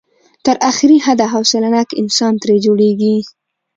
تر اخري حده حوصله ناک انسان ترې جوړېږي.